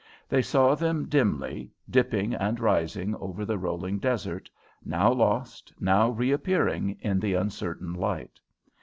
They saw them dimly, dipping and rising over the rolling desert, now lost, now reappearing in the uncertain light.